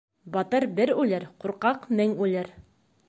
Батыр бер үлер, ҡурҡаҡ мең үлер.